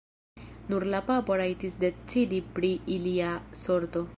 Nur la papo rajtis decidi pri ilia sorto.